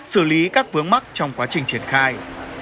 xử lý các vướng mắc trong quá trình triển khai